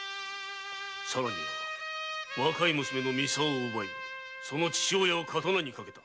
さらには若い娘の操を奪いその父親を刀にかけた。